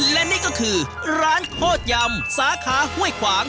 และนี่ก็คือร้านโคตรยำสาขาห้วยขวาง